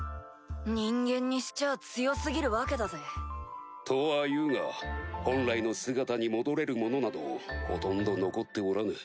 人間にしちゃあ強過ぎるわけだぜ。とは言うが本来の姿に戻れる者などほとんど残っておらぬ。